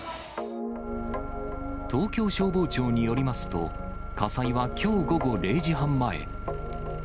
東京消防庁によりますと、火災はきょう午後０時半前。